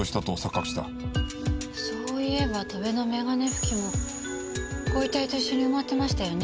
そういえば戸辺の眼鏡拭きもご遺体と一緒に埋まってましたよね